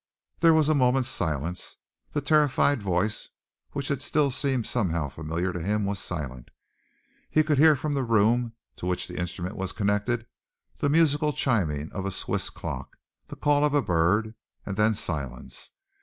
There was a moment's silence. The terrified voice, which had still seemed somehow familiar to him, was silent. He could hear from the room to which the instrument was connected, the musical chiming of a Swiss clock the call of a bird and then silence.